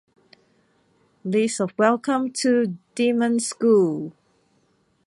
List of Welcome to Demon School!